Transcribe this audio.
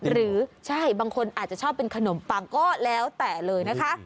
หรือใช่บางคนอาจจะชอบเป็นขนมปังก็แล้วแต่เลยนะคะ